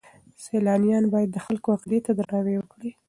سیلانیان باید د خلکو عقیدې ته درناوی وکړي.